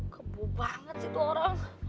kebu banget sih itu orang